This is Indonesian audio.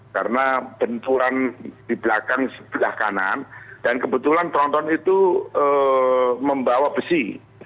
karena benturan di belakang sebelah kanan dan kebetulan tronton itu membawa besi